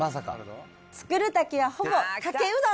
作るときはほぼかけうどん、